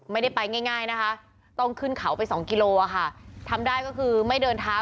ไม่ได้ไปง่ายง่ายนะคะต้องขึ้นเขาไปสองกิโลอ่ะค่ะทำได้ก็คือไม่เดินเท้า